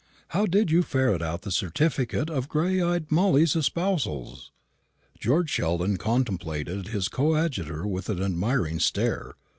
How did you ferret out the certificate of gray eyed Molly's espousals?" George Sheldon contemplated his coadjutor with an admiring stare.